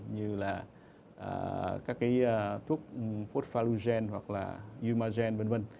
như là các cái thuốc phosphalogen hoặc là eumagen v v